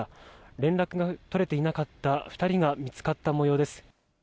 連絡が取れていなかった２人が見つかった模様です。